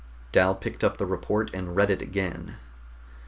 Dal picked up the report and read it again.